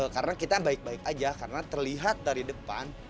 karena kita baik baik aja karena terlihat dari depan